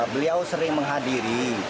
beliau sering menghadiri